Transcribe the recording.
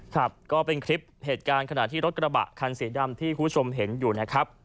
ครับก็เป็นคลิปเหตุการณ์ขณะที่รถกระบะคันสีดำที่คุณผู้ชมเห็นอยู่นะครับ